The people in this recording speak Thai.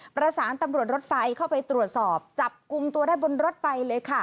ประสานตำรวจรถไฟเข้าไปตรวจสอบจับกลุ่มตัวได้บนรถไฟเลยค่ะ